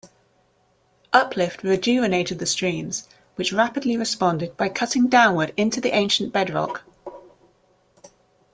Uplift rejuvenated the streams, which rapidly responded by cutting downward into the ancient bedrock.